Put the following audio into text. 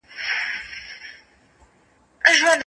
ډېری ليکوالان په دې آند دي چي سياست د هر چا حق دی.